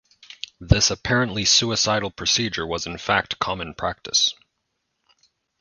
This apparently suicidal procedure was in fact common practice.